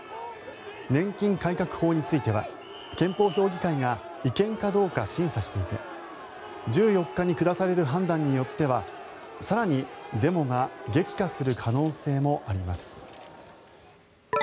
年金改革法については憲法評議会が違憲かどうか審査していて１４日に下される判断によっては更にデモが激化する可能性もあります。